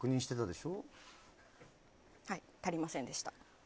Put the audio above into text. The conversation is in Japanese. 足りませんでした。